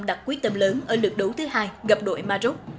đặt quyết tâm lớn ở lượt đấu thứ hai gặp đội maroc